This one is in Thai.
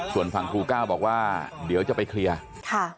ส่วนฝั่งครูก้าวบอกว่าเดี๋ยวจะไปเคลียร์ค่ะ